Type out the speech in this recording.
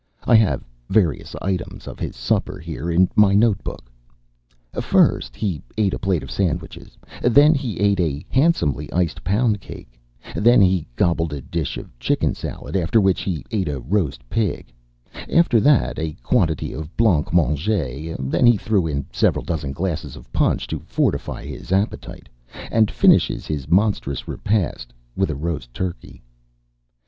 I have various items of his supper here in my note book. First, he ate a plate of sandwiches; then he ate a handsomely iced poundcake; then he gobbled a dish of chicken salad; after which he ate a roast pig; after that, a quantity of blanc mange; then he threw in several dozen glasses of punch to fortify his appetite, and finished his monstrous repast with a roast turkey.